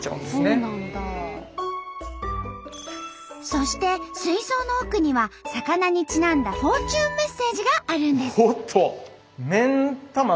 そして水槽の奥には魚にちなんだフォーチュンメッセージがあるんです。